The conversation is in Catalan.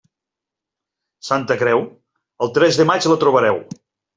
Santa Creu?, el tres de maig la trobareu.